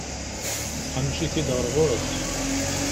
Tḥennec-it-d ɣer ɣur-s.